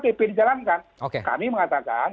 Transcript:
pp dijalankan kami mengatakan